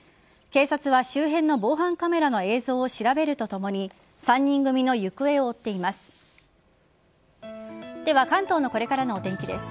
警察は周辺の防犯カメラの映像を調べるとともに３人組の行方を追っています。